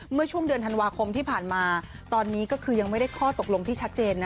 เมื่อช่วงเดือนธันวาคมที่ผ่านมาตอนนี้ก็คือยังไม่ได้ข้อตกลงที่ชัดเจนนะ